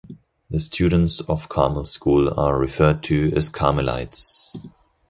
The students of Carmel School are referred to as "Carmelites".